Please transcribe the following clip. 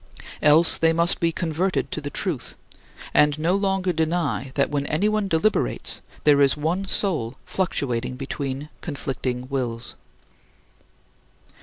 Else they must be converted to the truth, and no longer deny that when anyone deliberates there is one soul fluctuating between conflicting wills.